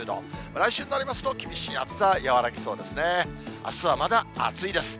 来週になりますと、厳しい暑さ、和らぎそうですね。